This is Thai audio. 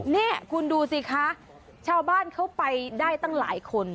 นี่คุณดูสิคะชาวบ้านเขาไปได้ตั้งหลายคน